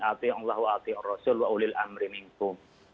a'atihallahu a'atihur rasul wa'ulil amrim inkum